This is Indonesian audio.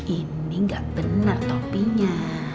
ini gak bener topinya